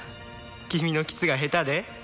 君のキスが下手で？